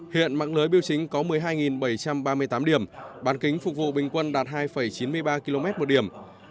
thới biểu chính có một mươi hai bảy trăm ba mươi tám điểm bán kính phục vụ bình quân đạt hai chín mươi ba km một điểm